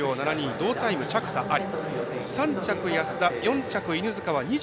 同タイム着差あり。